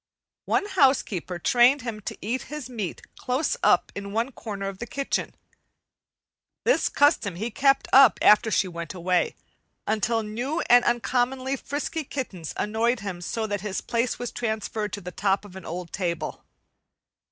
One housekeeper trained him to eat his meat close up in one corner of the kitchen. This custom he kept up after she went away, until new and uncommonly frisky kittens annoyed him so that his place was transferred to the top of an old table.